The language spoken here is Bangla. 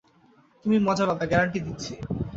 তুমি মজা পাবে, গ্যারান্টি দিচ্ছি।